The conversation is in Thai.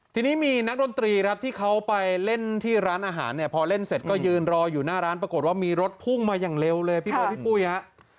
ทีนี้มีนักดนตรีครับที่เขาไปเล่นที่ร้านอาหารเนี่ยพอเล่นเสร็จก็ยืนรออยู่หน้าร้านปรากฏว่ามีรถพุ่งมาอย่างเร็วเลยพี่เบิร์ดพี่ปุ้ยฮะ